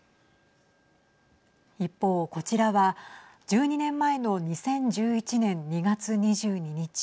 一方、こちらは１２年前の２０１１年２月２２日。